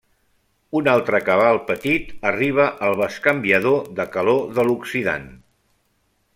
Un altre cabal petit arriba al bescanviador de calor de l'oxidant.